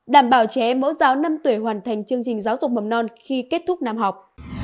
đảm bảo trẻ em mẫu giáo năm tuổi hoàn thành chương trình giáo dục mầm non khi kết thúc năm học